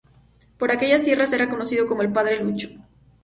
Por aquellas tierras era conocido como "el padre Lucho".